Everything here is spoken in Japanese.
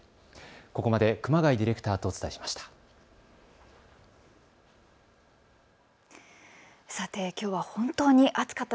ここまで熊谷ディレクターとお伝えしました。